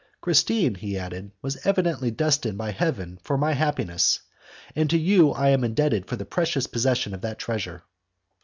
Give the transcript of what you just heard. "Christine," he added, "was evidently destined by Heaven for my happiness, and to you I am indebted for the precious possession of that treasure."